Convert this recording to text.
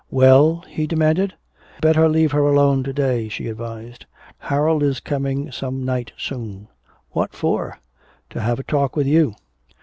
"Well?" he demanded. "Better leave her alone to day," she advised. "Harold is coming some night soon." "What for?" "To have a talk with you."